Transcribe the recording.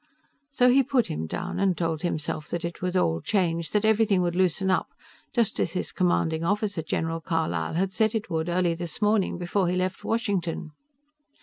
So he put him down and told himself that it would all change, that everything would loosen up just as his commanding officer, General Carlisle, had said it would early this morning before he left Washington.